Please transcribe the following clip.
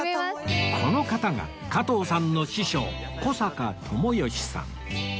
この方が加藤さんの師匠小坂知儀さん